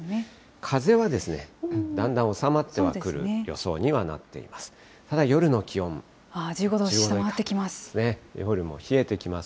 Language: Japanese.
風はですね、だんだん収まってはくる予想にはなっています。